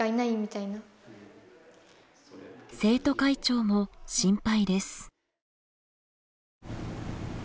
生徒会長も心配です。